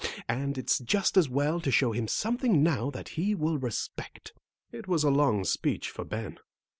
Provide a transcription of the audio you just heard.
And it's just as well to show him something now that he will respect." It was a long speech for Ben.